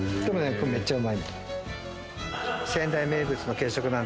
これめっちゃうまい。